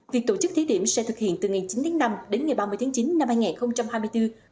việc tổ chức thí điểm sẽ thực hiện từ ngày chín tháng năm đến ngày ba mươi tháng chín năm hai nghìn hai mươi bốn